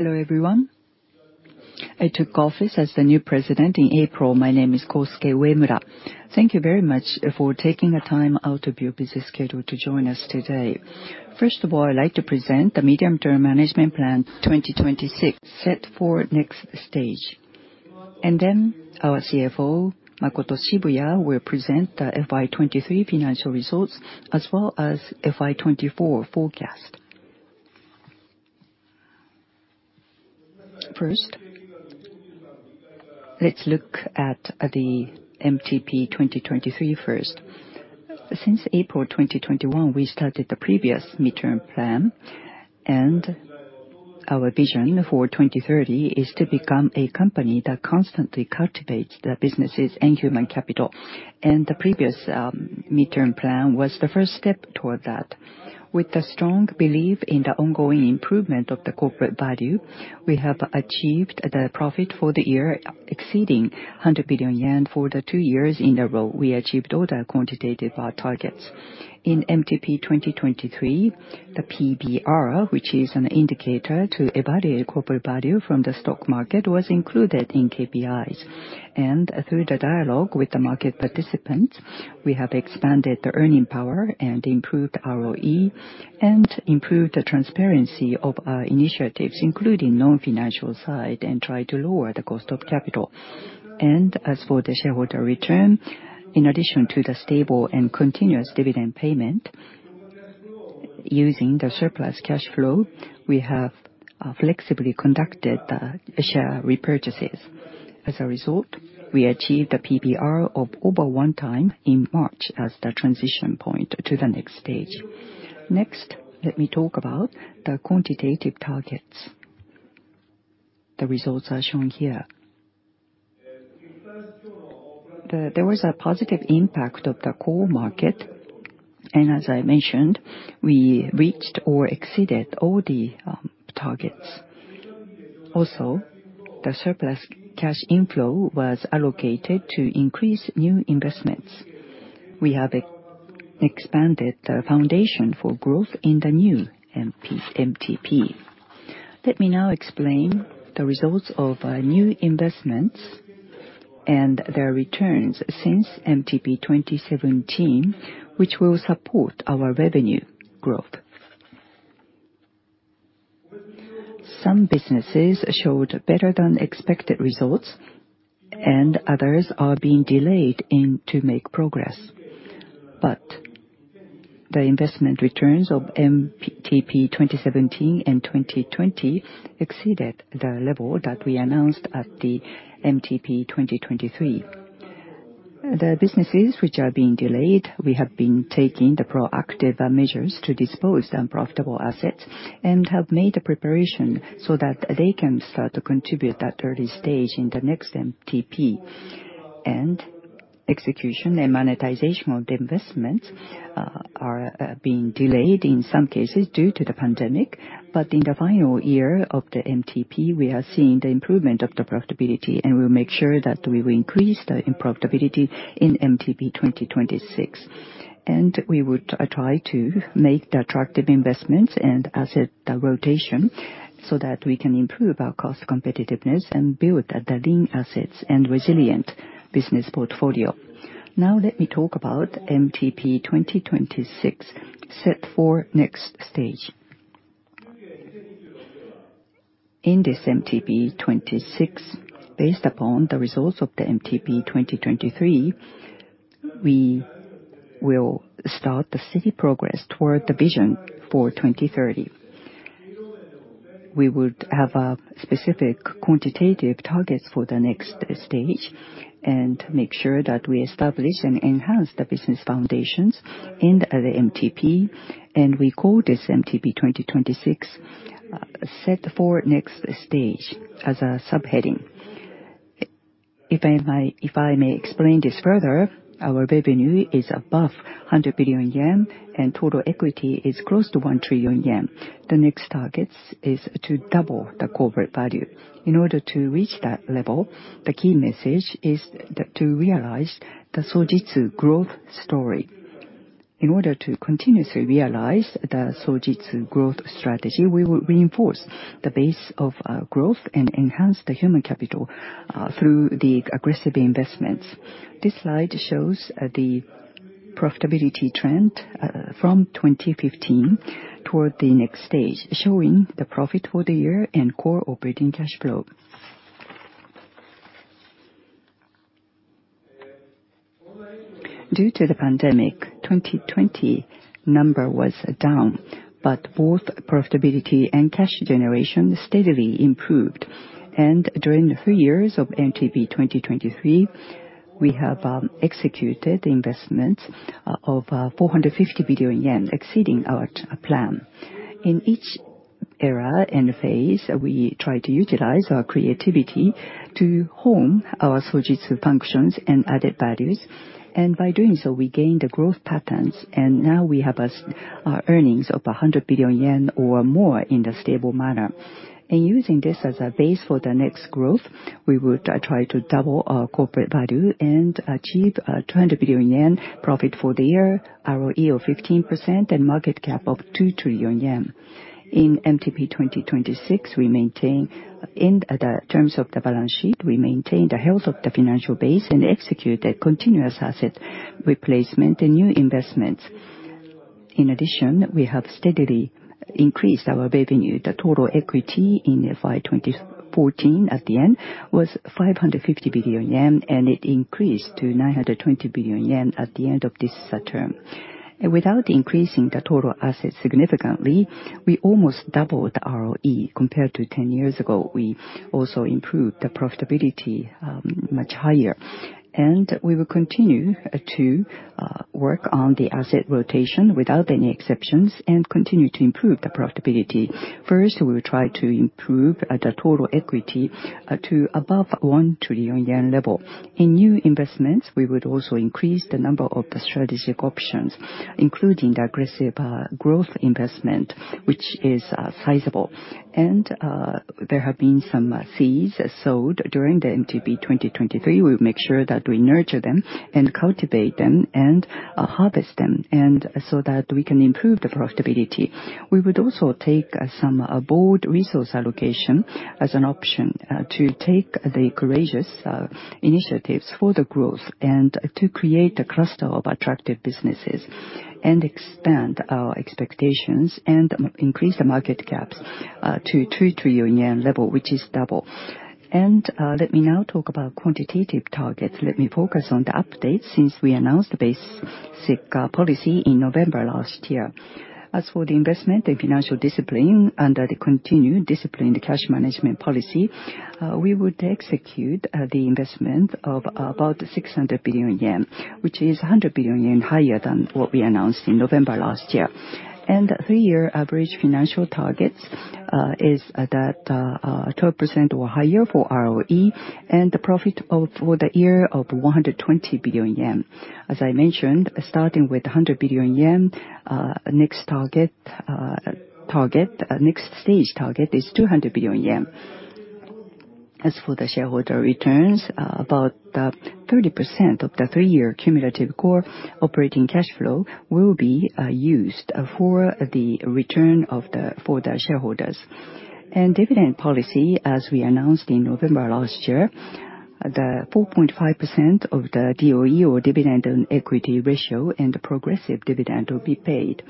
Hello, everyone. I took office as the new president in April. My name is Kosuke Uemura. Thank you very much for taking the time out of your busy schedule to join us today. First of all, I'd like to present the Medium-Term Management Plan 2026, Set for Next Stage. Then our CFO, Makoto Shibuya, will present the FY 2023 financial results, as well as FY 2024 forecast. First, let's look at the MTP 2023 first. Since April 2021, we started the previous midterm plan, and our vision for 2030 is to become a company that constantly cultivates the businesses and human capital. The previous midterm plan was the first step toward that. With the strong belief in the ongoing improvement of the corporate value, we have achieved the profit for the year, exceeding 100 billion yen for the two years in a row. We achieved all the quantitative targets. In MTP 2023, the PBR, which is an indicator to evaluate corporate value from the stock market, was included in KPIs. Through the dialogue with the market participants, we have expanded the earning power and improved ROE, and improved the transparency of our initiatives, including non-financial side, and tried to lower the cost of capital. As for the shareholder return, in addition to the stable and continuous dividend payment, using the surplus cash flow, we have flexibly conducted the share repurchases. As a result, we achieved a PBR of over 1x in March as the transition point to the next stage. Next, let me talk about the quantitative targets. The results are shown here. There was a positive impact of the coal market, and as I mentioned, we reached or exceeded all the targets. Also, the surplus cash inflow was allocated to increase new investments. We have expanded the foundation for growth in the new MTP. Let me now explain the results of new investments and their returns since MTP 2017, which will support our revenue growth. Some businesses showed better-than-expected results, and others are being delayed in to make progress. But the investment returns of MTP 2017 and 2020 exceeded the level that we announced at the MTP 2023. The businesses which are being delayed, we have been taking the proactive measures to dispose the unprofitable assets and have made the preparation so that they can start to contribute at early stage in the next MTP. Execution and monetization of the investments are being delayed in some cases due to the pandemic. In the final year of the MTP, we are seeing the improvement of the profitability, and we'll make sure that we will increase the profitability in MTP 2026. We would try to make the attractive investments and asset rotation so that we can improve our cost competitiveness and build the leading assets and resilient business portfolio. Now, let me talk about MTP 2026, Set for Next Stage. In this MTP 2026, based upon the results of the MTP 2023, we will start the steady progress toward the vision for 2030. We would have specific quantitative targets for the next stage and make sure that we establish and enhance the business foundations in the MTP, and we call this MTP 2026, Set for Next Stage, as a subheading. If I may, if I may explain this further, our revenue is above 100 billion yen, and total equity is close to 1 trillion yen. The next targets is to double the corporate value. In order to reach that level, the key message is the, to realize the Sojitz growth story. In order to continuously realize the Sojitz growth strategy, we will reinforce the base of growth and enhance the human capital through the aggressive investments. This slide shows the profitability trend from 2015 toward the next stage, showing the profit for the year and core operating cash flow. Due to the pandemic, 2020 number was down, but both profitability and cash generation steadily improved. During the three years of MTP 2023, we have executed investments of 450 billion yen, exceeding our plan. In each era and phase, we try to utilize our creativity to hone our Sojitz functions and added values, and by doing so, we gain the growth patterns, and now we have earnings of 100 billion yen or more in the stable manner. In using this as a base for the next growth, we would try to double our corporate value and achieve a 200 billion yen profit for the year, ROE of 15%, and market cap of 2 trillion yen. In MTP 2026, we maintain, in the terms of the balance sheet, we maintain the health of the financial base and execute a continuous asset replacement and new investments. In addition, we have steadily increased our revenue. The total equity in FY 2014 at the end was 550 billion yen, and it increased to 920 billion yen at the end of this term. Without increasing the total assets significantly, we almost doubled ROE compared to 10 years ago. We also improved the profitability much higher. We will continue to work on the asset rotation without any exceptions, and continue to improve the profitability. First, we will try to improve the total equity to above 1 trillion yen level. In new investments, we would also increase the number of strategic options, including the aggressive growth investment, which is sizable. There have been some seeds sowed during the MTP 2023. We'll make sure that we nurture them and cultivate them and, harvest them, and so that we can improve the profitability. We would also take some bold resource allocation as an option to take the courageous initiatives for the growth and to create a cluster of attractive businesses, and expand our expectations, and increase the market caps to 3 trillion yen level, which is double. Let me now talk about quantitative targets. Let me focus on the updates since we announced the basic policy in November last year. As for the investment and financial discipline, under the continued disciplined cash management policy, we would execute the investment of about 600 billion yen, which is 100 billion yen higher than what we announced in November last year. The three-year average financial targets is that 12% or higher for ROE, and the profit for the year of 120 billion yen. As I mentioned, starting with 100 billion yen, next target, next stage target is 200 billion yen. As for the shareholder returns, about 30% of the three-year cumulative core operating cash flow will be used for the return to the shareholders. Dividend policy, as we announced in November last year, the 4.5% of the DOE, or dividend on equity ratio, and the progressive dividend will be paid.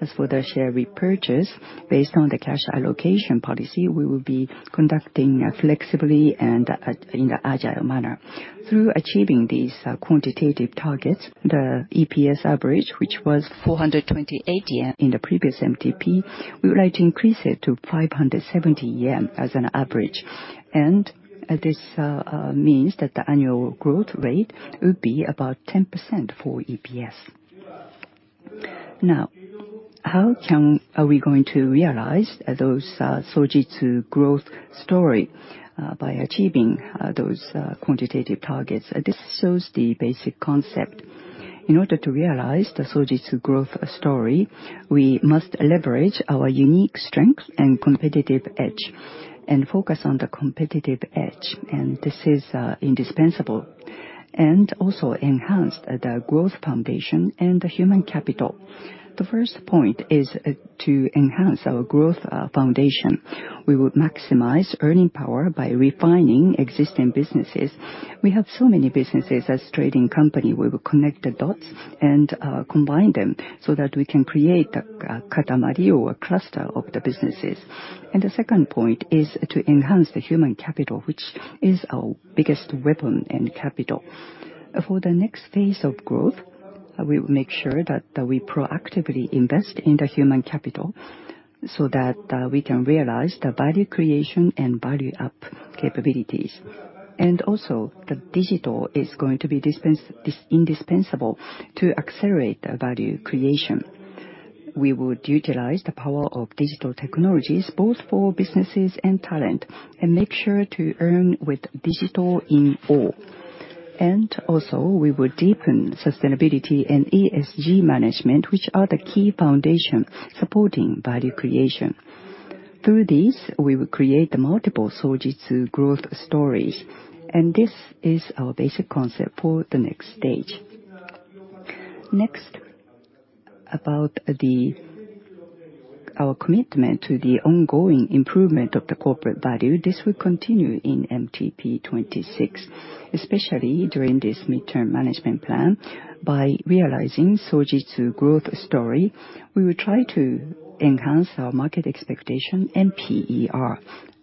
As for the share repurchase, based on the cash allocation policy, we will be conducting flexibly and in an agile manner. Through achieving these quantitative targets, the EPS average, which was 428 yen in the previous MTP, we would like to increase it to 570 yen as an average. This means that the annual growth rate would be about 10% for EPS. Now, how are we going to realize those Sojitz Growth Story by achieving those quantitative targets? This shows the basic concept. In order to realize the Sojitz Growth Story, we must leverage our unique strength and competitive edge, and focus on the competitive edge, and this is indispensable, and also enhance the growth foundation and the human capital. The first point is to enhance our growth foundation. We will maximize earning power by refining existing businesses. We have so many businesses as trading company. We will connect the dots and combine them so that we can create a katamari or a cluster of the businesses. The second point is to enhance the human capital, which is our biggest weapon and capital. For the next phase of growth, we will make sure that we proactively invest in the human capital so that we can realize the value creation and value up capabilities. Also, the digital is going to be indispensable to accelerate value creation. We would utilize the power of digital technologies both for businesses and talent, and make sure to earn with digital in all. Also, we will deepen sustainability and ESG management, which are the key foundation supporting value creation. Through this, we will create the multiple Sojitz growth stories, and this is our basic concept for the next stage. Next, about our commitment to the ongoing improvement of the corporate value, this will continue in MTP 2026, especially during this midterm management plan. By realizing Sojitz Growth Story, we will try to enhance our market expectation and PER.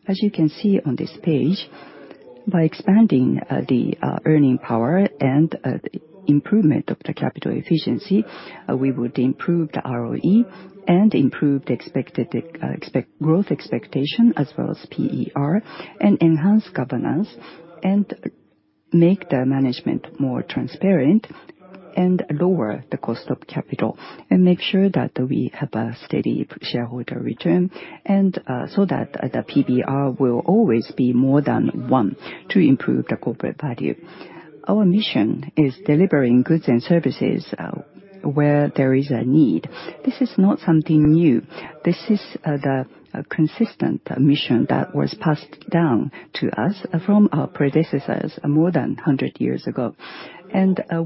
As you can see on this page, by expanding the earning power and the improvement of the capital efficiency, we would improve the ROE and improve the expected growth expectation, as well as PER, and enhance governance, and make the management more transparent, and lower the cost of capital, and make sure that we have a steady shareholder return, and so that the PBR will always be more than one to improve the corporate value. Our mission is delivering goods and services where there is a need. This is not something new. This is the consistent mission that was passed down to us from our predecessors more than 100 years ago.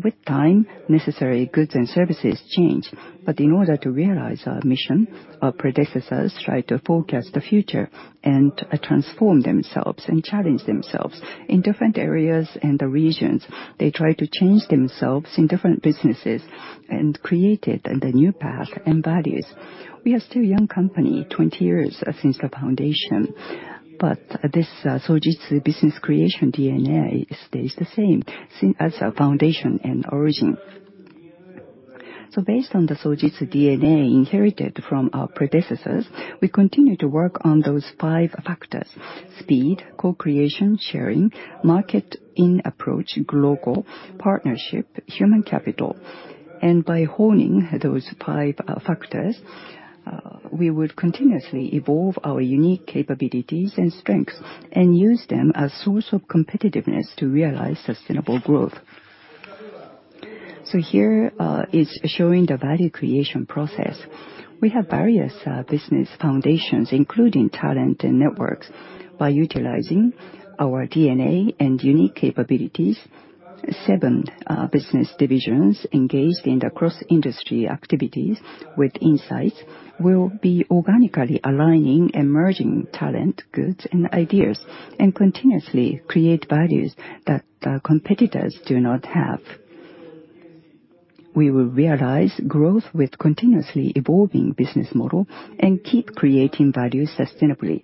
With time, necessary goods and services change, but in order to realize our mission, our predecessors tried to forecast the future and transform themselves and challenge themselves. In different areas and the regions, they tried to change themselves in different businesses and created the new path and values. We are still young company, 20 years since the foundation, but this Sojitz business creation DNA stays the same, same as our foundation and origin. Based on the Sojitz DNA inherited from our predecessors, we continue to work on those five factors: speed, co-creation, sharing, market in approach, local partnership, human capital. By honing those five factors, we would continuously evolve our unique capabilities and strengths and use them as source of competitiveness to realize sustainable growth. Here is showing the value creation process. We have various business foundations, including talent and networks. By utilizing our DNA and unique capabilities, seven business divisions engaged in the cross-industry activities with insights, will be organically aligning emerging talent, goods, and ideas, and continuously create values that competitors do not have. We will realize growth with continuously evolving business model and keep creating value sustainably.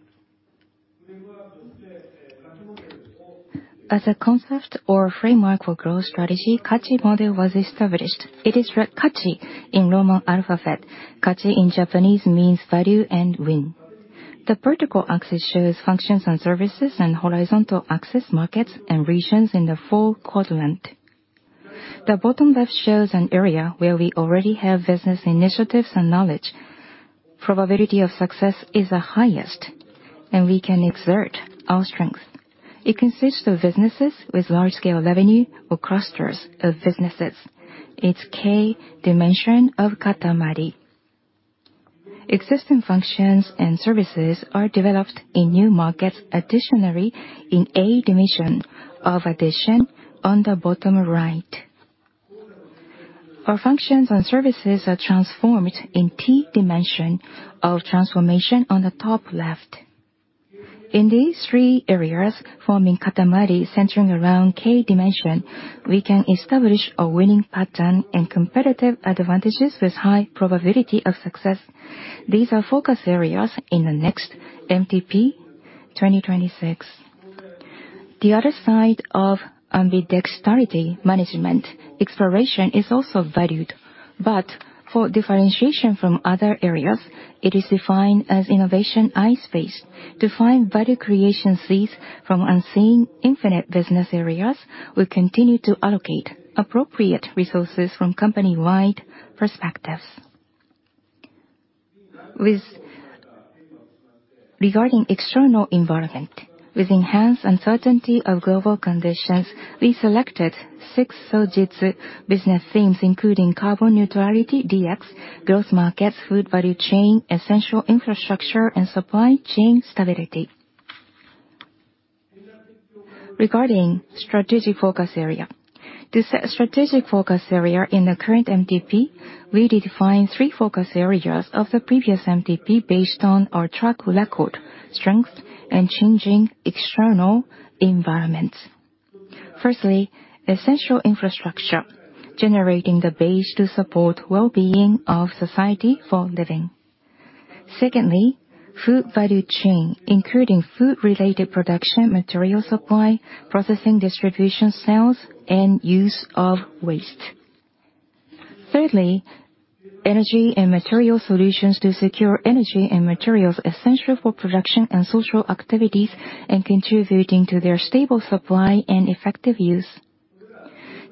As a concept or framework for growth strategy, Kachi Model was established. It is read Kachi in Roman alphabet. Kachi in Japanese means value and win. The vertical axis shows functions and services, and horizontal axis, markets and regions in the four quadrant. The bottom left shows an area where we already have business initiatives and knowledge. Probability of success is the highest, and we can exert our strength. It consists of businesses with large scale revenue or clusters of businesses. It's K dimension of Katamari. Existing functions and services are developed in new markets, additionally, in A dimension of addition on the bottom right. Our functions and services are transformed in T dimension of transformation on the top left. In these three areas, forming Katamari, centering around K dimension, we can establish a winning pattern and competitive advantages with high probability of success. These are focus areas in the next MTP 2026. The other side of ambidexterity management, exploration, is also valued, but for differentiation from other areas, it is defined as innovation I-space. To find value creation seeds from unseen infinite business areas, we'll continue to allocate appropriate resources from company-wide perspectives. Regarding external environment, with enhanced uncertainty of global conditions, we selected six Sojitz business themes, including carbon neutrality, DX, growth markets, food value chain, essential infrastructure, and supply chain stability. Regarding strategic focus area. To set strategic focus area in the current MTP, we defined three focus areas of the previous MTP based on our track record, strength, and changing external environments. Firstly, essential infrastructure, generating the base to support well-being of society for living. Secondly, food value chain, including food-related production, material supply, processing, distribution, sales, and use of waste. Thirdly, energy and material solutions to secure energy and materials essential for production and social activities, and contributing to their stable supply and effective use.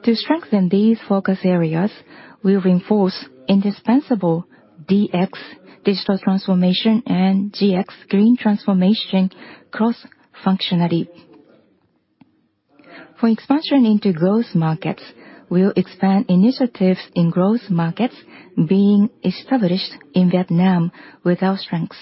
To strengthen these focus areas, we'll reinforce indispensable DX, digital transformation, and GX, green transformation, cross-functionally. For expansion into growth markets, we'll expand initiatives in growth markets being established in Vietnam with our strengths.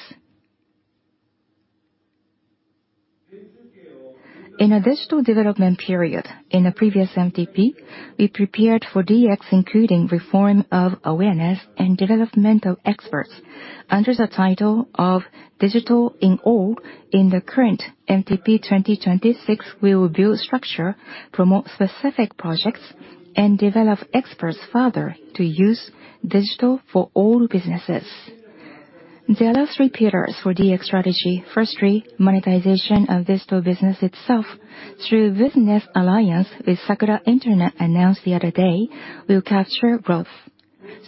In a digital development period in the previous MTP, we prepared for DX, including reform of awareness and developmental experts. Under the title of Digital in All in the current MTP 2026, we will build structure, promote specific projects, and develop experts further to use digital for all businesses. The last three pillars for DX strategy, firstly, monetization of digital business itself. Through business alliance with Sakura Internet, announced the other day, we'll capture growth.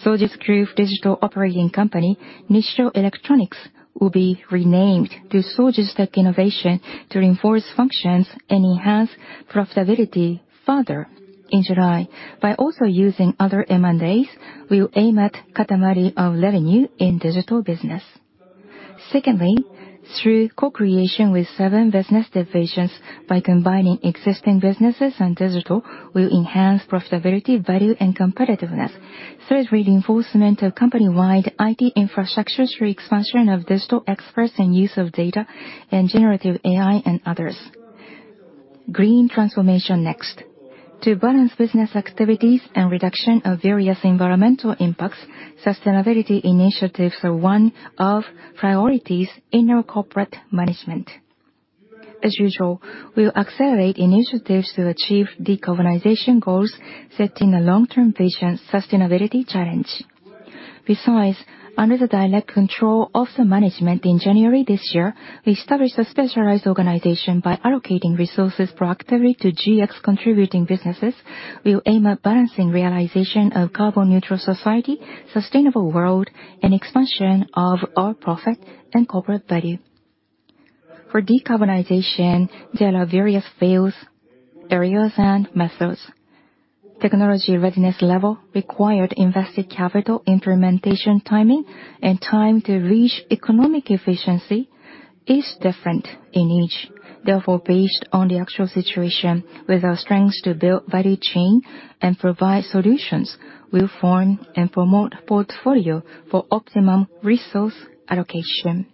Sojitz Group digital operating company, Nissho Electronics, will be renamed to Sojitz Tech Innovation to reinforce functions and enhance profitability further in July. By also using other M&As, we will aim at Katamari of revenue in digital business. Secondly, through co-creation with seven business divisions, by combining existing businesses and digital, we'll enhance profitability, value, and competitiveness. Third, reinforcement of company-wide IT infrastructure through expansion of digital experts and use of data and generative AI and others. Green transformation next. To balance business activities and reduction of various environmental impacts, sustainability initiatives are one of priorities in our corporate management. As usual, we'll accelerate initiatives to achieve decarbonization goals, setting a long-term vision sustainability challenge. Besides, under the direct control of the management in January this year, we established a specialized organization by allocating resources proactively to GX contributing businesses. We'll aim at balancing realization of carbon neutral society, sustainable world, and expansion of our profit and corporate value. For decarbonization, there are various fields, areas, and methods. Technology readiness level required invested capital, implementation timing, and time to reach economic efficiency is different in each. Therefore, based on the actual situation, with our strengths to build value chain and provide solutions, we'll form and promote portfolio for optimum resource allocation.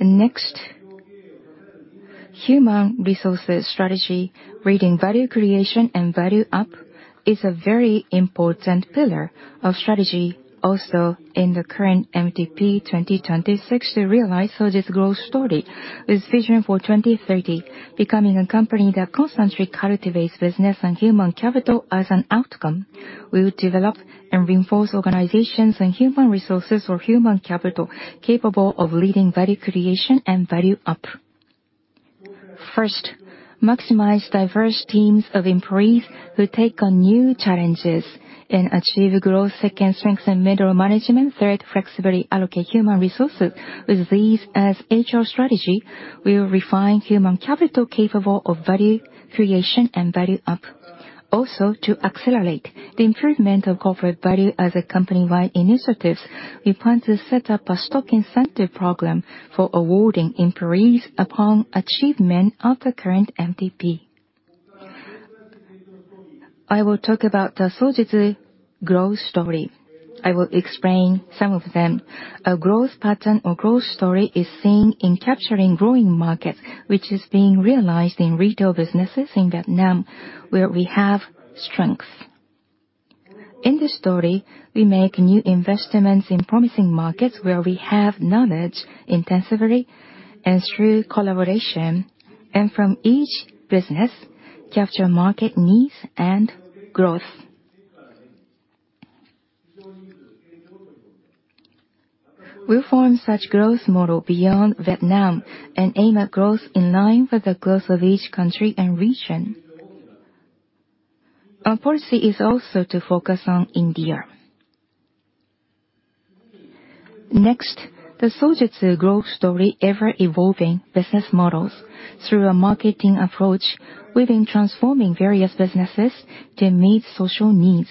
Next, human resources strategy, creating value creation and value up, is a very important pillar of strategy also in the current MTP 2026 to realize Sojitz Growth Story. With vision for 2030, becoming a company that constantly cultivates business and human capital as an outcome, we will develop and reinforce organizations and human resources or human capital capable of leading value creation and value up. First, maximize diverse teams of employees who take on new challenges and achieve growth. Second, strengthen middle management. Third, flexibly allocate human resources. With these as HR strategy, we will refine human capital capable of value creation and value up. Also, to accelerate the improvement of corporate value as a company-wide initiative, we plan to set up a stock incentive program for awarding employees upon achievement of the current MTP. I will talk about the Sojitz Growth Story. I will explain some of them. A growth pattern or growth story is seen in capturing growing markets, which is being realized in retail businesses in Vietnam, where we have strength. In this story, we make new investments in promising markets where we have knowledge intensively and through collaboration, and from each business, capture market needs and growth. We'll form such growth model beyond Vietnam and aim at growth in line with the growth of each country and region. Our policy is also to focus on India. Next, the Sojitz Growth Story, ever-evolving business models through a marketing approach. We've been transforming various businesses to meet social needs.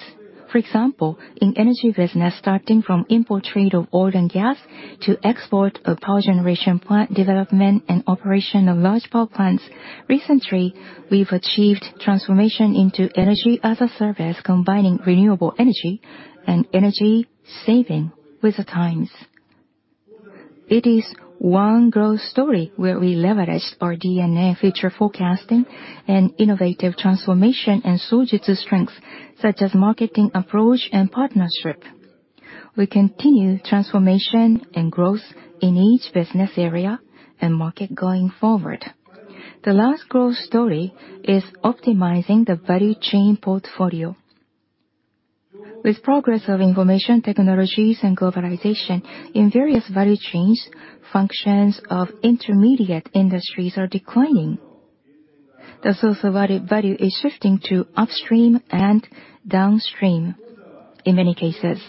For example, in energy business, starting from import trade of oil and gas to export of power generation, plant development, and operation of large power plants. Recently, we've achieved transformation into energy-as-a-service, combining renewable energy and energy saving with the times. It is one growth story where we leverage our DNA, future forecasting, and innovative transformation, and Sojitz strengths, such as marketing approach and partnership. We continue transformation and growth in each business area and market going forward. The last growth story is optimizing the value chain portfolio. With progress of information technologies and globalization in various value chains, functions of intermediate industries are declining. The social value, value is shifting to upstream and downstream in many cases.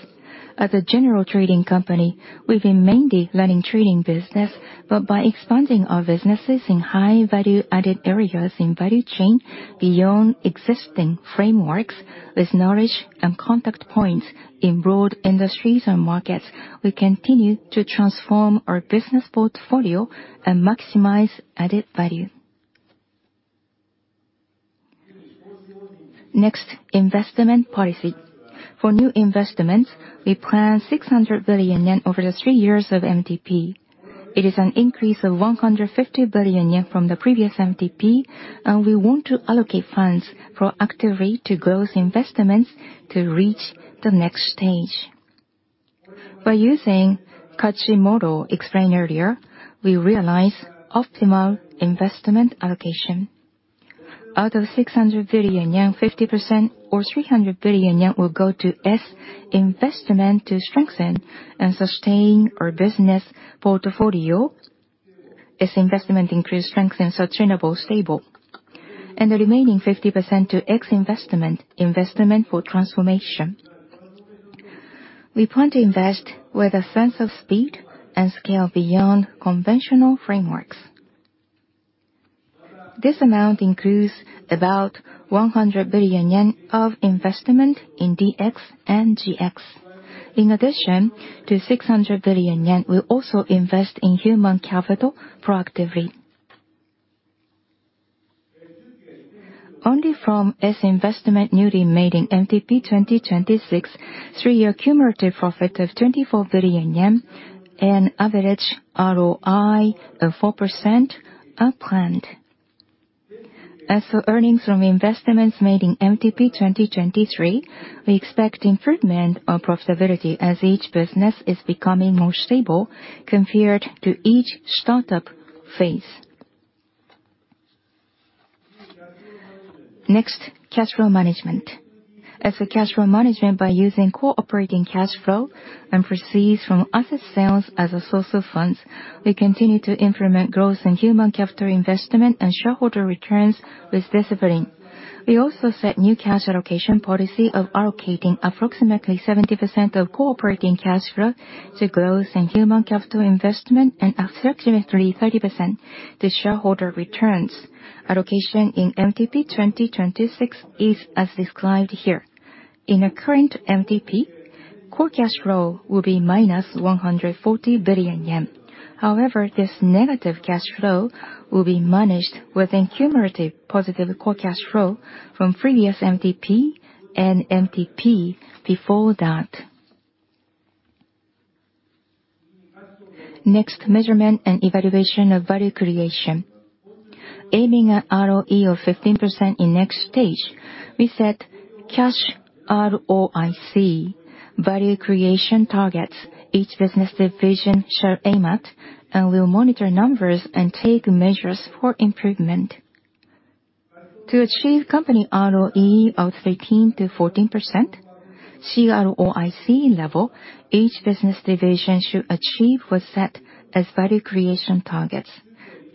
As a general trading company, we've been mainly running trading business, but by expanding our businesses in high value-added areas in value chain beyond existing frameworks, with knowledge and contact points in broad industries and markets, we continue to transform our business portfolio and maximize added value. Next, investment policy. For new investments, we plan 600 billion yen over the three years of MTP. It is an increase of 150 billion yen from the previous MTP, and we want to allocate funds proactively to growth investments to reach the next stage. By using Kachi Model explained earlier, we realize optimal investment allocation. Out of 600 billion yen, 50% or 300 billion yen will go to S investment to strengthen and sustain our business portfolio. S investment increase strength and sustainable stable, and the remaining 50% to X investment, investment for transformation. We plan to invest with a sense of speed and scale beyond conventional frameworks. This amount includes about 100 billion yen of investment in DX and GX. In addition to 600 billion yen, we'll also invest in human capital proactively. Only from this investment newly made in MTP 2026, three-year cumulative profit of 24 billion yen and average ROI of 4% are planned. As for earnings from investments made in MTP 2023, we expect improvement of profitability as each business is becoming more stable compared to each startup phase. Next, cash flow management. As for cash flow management, by using core operating cash flow and proceeds from asset sales as a source of funds, we continue to implement growth in human capital investment and shareholder returns with discipline. We also set new cash allocation policy of allocating approximately 70% of core operating cash flow to growth and human capital investment, and approximately 30% to shareholder returns. Allocation in MTP 2026 is as described here. In our current MTP, core cash flow will be -140 billion yen. However, this negative cash flow will be managed with a cumulative positive core cash flow from previous MTP and MTP before that. Next, measurement and evaluation of value creation. Aiming at ROE of 15% in next stage, we set cash ROIC value creation targets each business division shall aim at, and we'll monitor numbers and take measures for improvement. To achieve company ROE of 13%-14%, CROIC level, each business division should achieve what's set as value creation targets.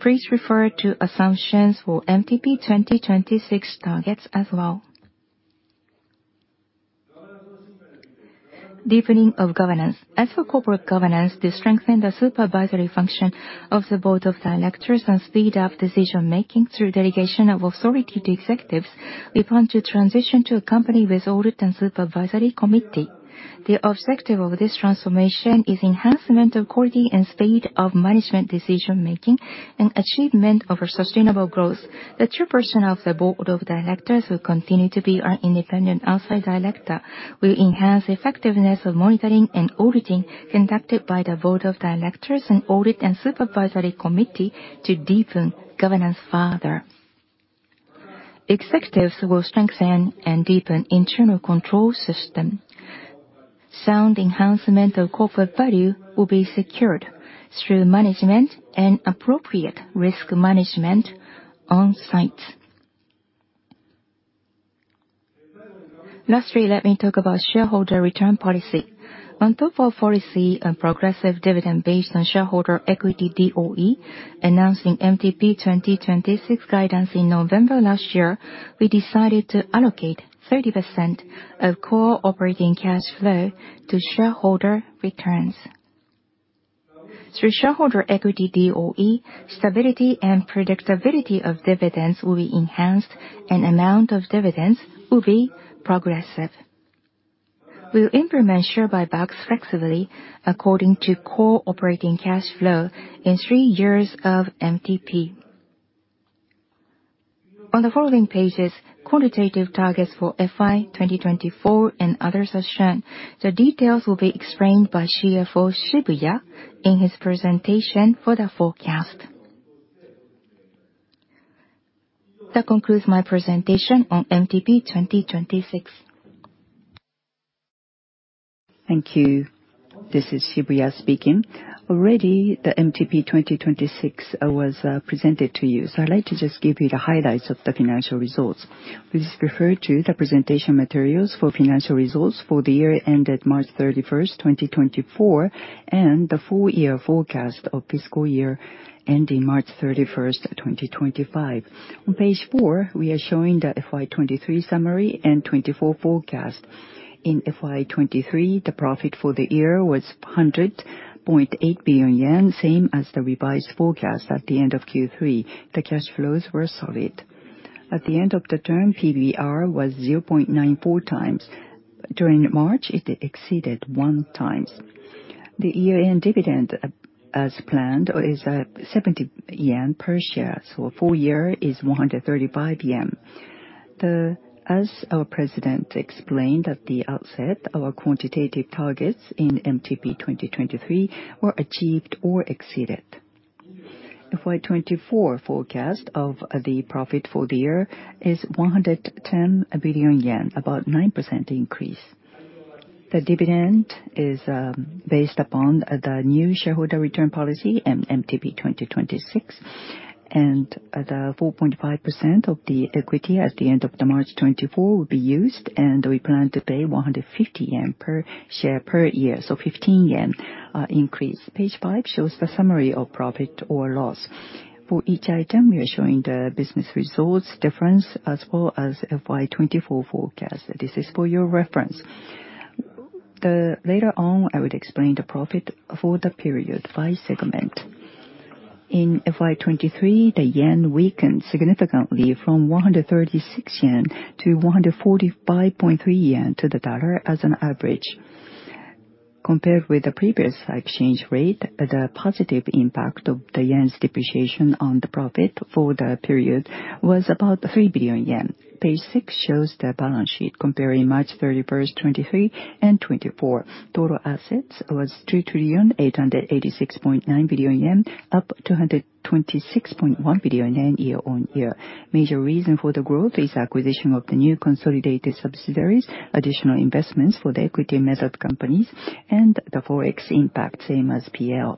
Please refer to assumptions for MTP 2026 targets as well. Deepening of governance. As for corporate governance, to strengthen the supervisory function of the Board of Directors and speed up decision-making through delegation of authority to executives, we plan to transition to a company with Audit and Supervisory Committee. The objective of this transformation is enhancement of quality and speed of management decision-making, and achievement of a sustainable growth. The Chairperson of the Board of Directors, who continue to be our Independent Outside Director, will enhance effectiveness of monitoring and auditing conducted by the Board of Directors and Audit and Supervisory Committee to deepen governance further. Executives will strengthen and deepen internal control system. Sound enhancement of corporate value will be secured through management and appropriate risk management on site. Lastly, let me talk about shareholder return policy. On top of policy and progressive dividend based on shareholder equity DOE, announcing MTP 2026 guidance in November last year, we decided to allocate 30% of core operating cash flow to shareholder returns. Through shareholder equity DOE, stability and predictability of dividends will be enhanced, and amount of dividends will be progressive. We'll implement share buybacks flexibly according to core operating cash flow in three years of MTP. On the following pages, quantitative targets for FY 2024 and others are shown. The details will be explained by CFO Shibuya in his presentation for the forecast. That concludes my presentation on MTP 2026. Thank you. This is Shibuya speaking. Already, the MTP 2026 was presented to you, so I'd like to just give you the highlights of the financial results. Please refer to the presentation materials for financial results for the year ended March 31st, 2024, and the full year forecast of fiscal year ending March 31st, 2025. On page four, we are showing the FY 2023 summary and 2024 forecast. In FY 2023, the profit for the year was 100.8 billion yen, same as the revised forecast at the end of Q3. The cash flows were solid. At the end of the term, PBR was 0.94x. During March, it exceeded 1x. The year-end dividend, as planned, is 70 yen per share, so full year is 135 yen. As our president explained at the outset, our quantitative targets in MTP 2023 were achieved or exceeded. FY 2024 forecast of the profit for the year is 110 billion yen, about 9% increase. The dividend is based upon the new shareholder return policy and MTP 2026, and the 4.5% of the equity at the end of March 2024 will be used, and we plan to pay 150 yen per share per year, so 15 yen increase. Page five shows the summary of profit or loss. For each item, we are showing the business results difference as well as FY 2024 forecast. This is for your reference. Later on, I would explain the profit for the period by segment. In FY 2023, the yen weakened significantly from 136 yen to 145.3 yen to the dollar as an average. Compared with the previous exchange rate, the positive impact of the yen's depreciation on the profit for the period was about 3 billion yen. Page six shows the balance sheet comparing March 31st, 2023 and 2024. Total assets was 3,886.9 billion yen, up 226.1 billion yen year-on-year. Major reason for the growth is acquisition of the new consolidated subsidiaries, additional investments for the equity method companies, and the Forex impact, same as PL.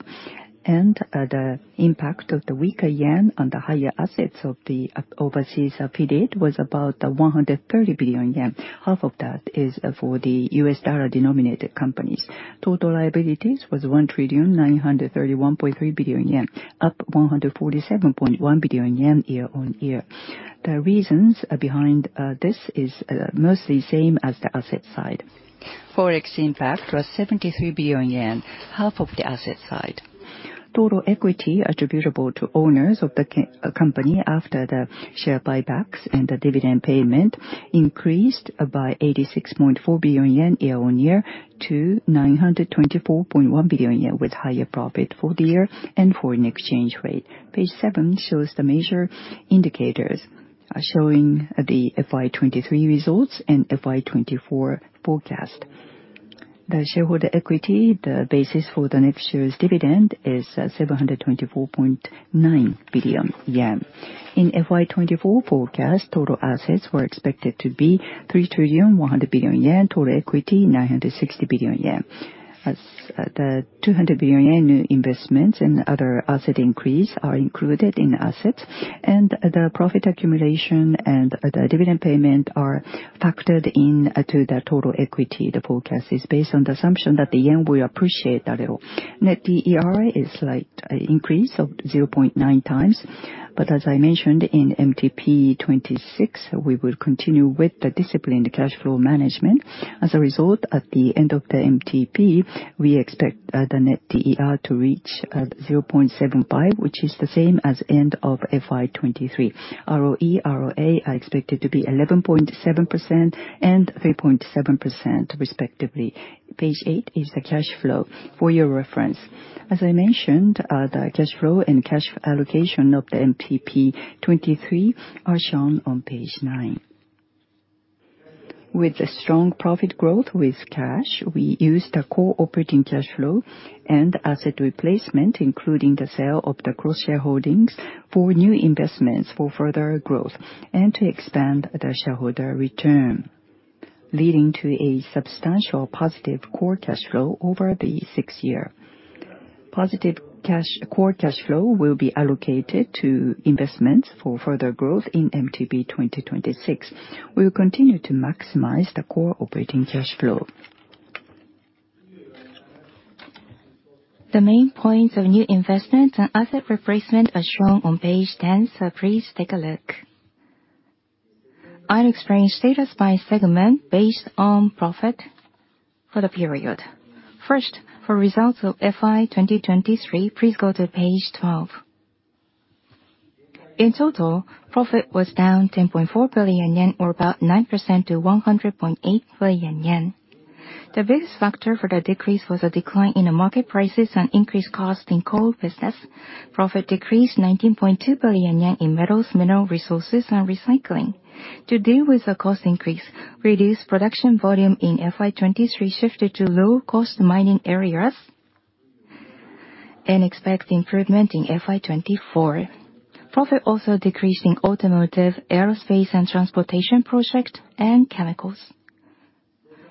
And, the impact of the weaker yen on the higher assets of the, overseas affiliate was about 130 billion yen. Half of that is for the U.S. dollar-denominated companies. Total liabilities was 1,931.3 billion yen, up 147.1 billion yen year-on-year. The reasons behind this is mostly same as the asset side. Forex impact was 73 billion yen, half of the asset side. Total equity attributable to owners of the company after the share buybacks and the dividend payment increased by 86.4 billion yen year-on-year to 924.1 billion yen, with higher profit for the year and foreign exchange rate. Page seven shows the major indicators, showing the FY 2023 results and FY 2024 forecast. The shareholder equity, the basis for the next year's dividend, is 724.9 billion yen. In FY 2024 forecast, total assets were expected to be 3.1 trillion, total equity 960 billion yen. As the 200 billion yen new investments and other asset increase are included in assets, and the profit accumulation and the dividend payment are factored in to the total equity. The forecast is based on the assumption that the yen will appreciate a little. Net DER is slight increase of 0.9x, but as I mentioned in MTP 2026, we will continue with the disciplined cash flow management. As a result, at the end of the MTP, we expect the net DER to reach 0.75x, which is the same as end of FY 2023. ROE, ROA are expected to be 11.7% and 3.7% respectively. Page eight is the cash flow for your reference. As I mentioned, the cash flow and cash allocation of the MTP 2023 are shown on page nine. With the strong profit growth with cash, we use the core operating cash flow and asset replacement, including the sale of the cross-shareholdings, for new investments for further growth and to expand the shareholder return, leading to a substantial positive core cash flow over the six year. Positive cash, core cash flow will be allocated to investments for further growth in MTP 2026. We will continue to maximize the core operating cash flow. The main points of new investments and asset replacement are shown on page 10, so please take a look. I'll explain status by segment based on profit for the period. First, for results of FY 2023, please go to page 12. In total, profit was down 10.4 billion yen, or about 9% to 100.8 billion yen. The biggest factor for the decrease was a decline in the market prices and increased cost in coal business. Profit decreased 19.2 billion yen in metals, mineral resources, and recycling. To deal with the cost increase, reduced production volume in FY 2023 shifted to lower cost mining areas, and expect improvement in FY 2024. Profit also decreased in automotive, aerospace, and transportation project and chemicals.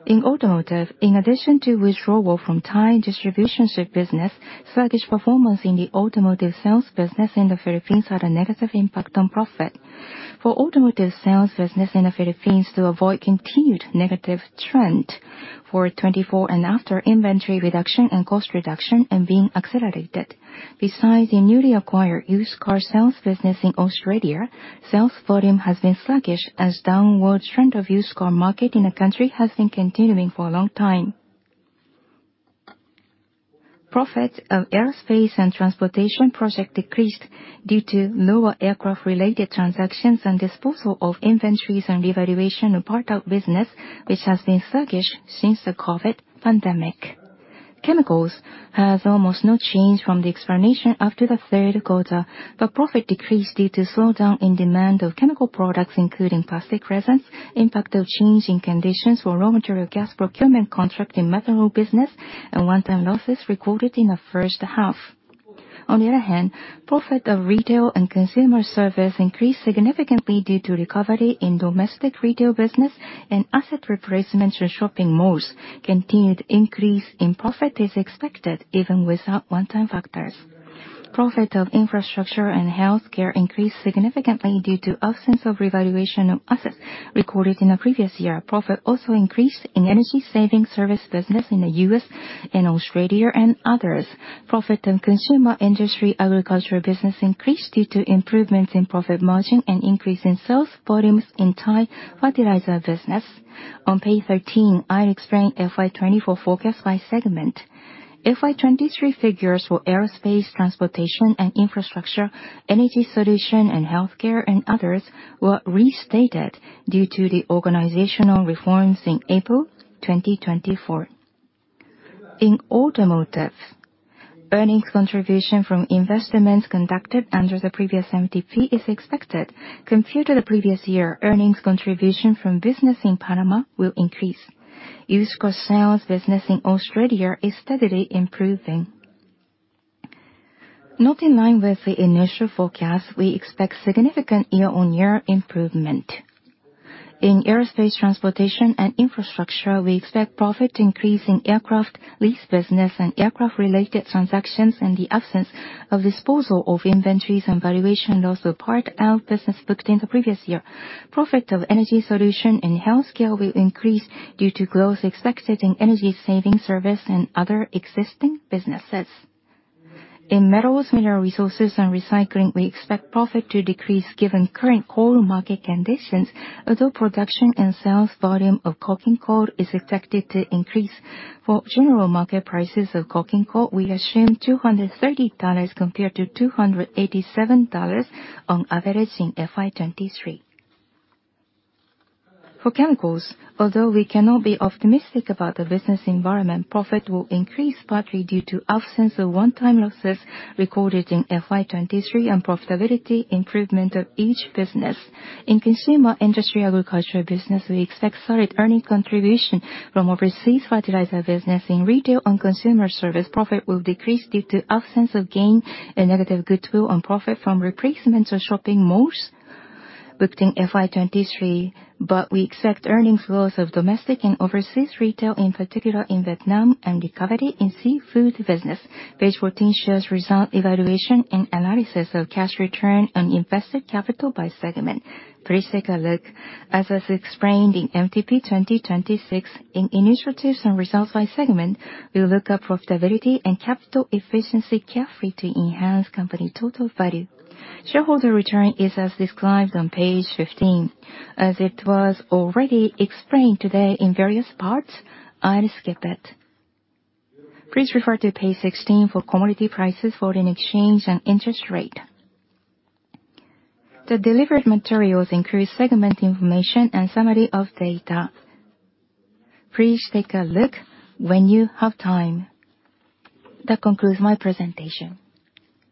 In automotive, in addition to withdrawal from tire distributorship business, sluggish performance in the automotive sales business in the Philippines had a negative impact on profit. For automotive sales business in the Philippines to avoid continued negative trend for 2024 and after, inventory reduction and cost reduction are being accelerated. Besides the newly acquired used car sales business in Australia, sales volume has been sluggish as downward trend of used car market in the country has been continuing for a long time. Profits of aerospace and transportation project decreased due to lower aircraft-related transactions and disposal of inventories and revaluation of part of business, which has been sluggish since the COVID pandemic. Chemicals has almost no change from the explanation after the third quarter, but profit decreased due to slowdown in demand of chemical products, including plastic resins, impact of changing conditions for raw material gas procurement contract in methanol business, and one-time losses recorded in the first half. On the other hand, profit of retail and consumer service increased significantly due to recovery in domestic retail business and asset replacement in shopping malls. Continued increase in profit is expected even without one-time factors. Profit of infrastructure and healthcare increased significantly due to absence of revaluation of assets recorded in the previous year. Profit also increased in energy saving service business in the U.S. and Australia and others. Profit and consumer industry agricultural business increased due to improvements in profit margin and increase in sales volumes in Thai fertilizer business. On page 13, I'll explain FY 2024 forecast by segment. FY 2023 figures for aerospace, transportation, and infrastructure, energy solution, and healthcare, and others were restated due to the organizational reforms in April 2024. In automotive, earnings contribution from investments conducted under the previous MTP is expected. Compared to the previous year, earnings contribution from business in Panama will increase. Used car sales business in Australia is steadily improving. Not in line with the initial forecast, we expect significant year-on-year improvement. In aerospace, transportation, and infrastructure, we expect profit to increase in aircraft lease business and aircraft-related transactions, in the absence of disposal of inventories and valuation loss of part of business booked in the previous year. Profit of energy solution and healthcare will increase due to growth expected in energy saving service and other existing businesses. In metals, mineral resources, and recycling, we expect profit to decrease given current coal market conditions. Although production and sales volume of coking coal is expected to increase, for general market prices of coking coal, we assume $230 compared to $287 on average in FY 2023. For chemicals, although we cannot be optimistic about the business environment, profit will increase partly due to absence of one-time losses recorded in FY 2023 and profitability improvement of each business. In consumer, industry, agricultural business, we expect solid earning contribution from overseas fertilizer business. In retail and consumer service, profit will decrease due to absence of gain and negative goodwill on profit from replacement of shopping malls booked in FY 2023. But we expect earnings growth of domestic and overseas retail, in particular in Vietnam, and recovery in seafood business. Page 14 shows result evaluation and analysis of cash return on invested capital by segment. Please take a look. As was explained in MTP 2026, in initiatives and results by segment, we will look at profitability and capital efficiency carefully to enhance company total value. Shareholder return is as described on page 15. As it was already explained today in various parts, I'll skip it. Please refer to page 16 for commodity prices, foreign exchange, and interest rate. The delivered materials include segment information and summary of data. Please take a look when you have time. That concludes my presentation.